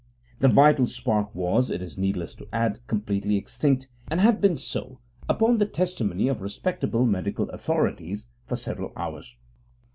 The vital spark was, it is needless to add, completely extinct, and had been so, upon the testimony of respectable medical authorities, for several hours.